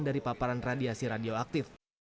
tidak ada yang menyebabkan penyelamatan dari tanah tanah